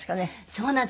そうなんです。